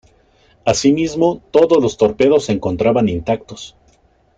Asimismo, todos los torpedos se encontraban intactos.